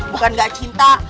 bukan gak cinta